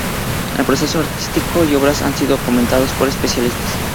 El proceso artístico y obras han sido comentados por especialistas.